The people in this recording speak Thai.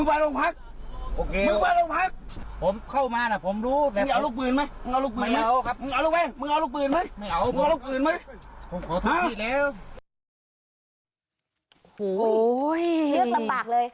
โอ้โหเลือกลำบากเลย